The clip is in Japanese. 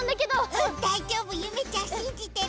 うんだいじょうぶゆめちゃんしんじてるから。